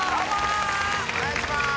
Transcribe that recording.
お願いします！